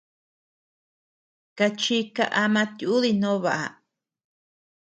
Kachika ama tiudi no baʼa.